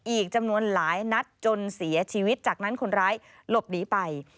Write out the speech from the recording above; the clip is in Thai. อีกจำนวนหลายนัดจนเสียชีวิตจากนั้นคนร้ายหลบหนีไป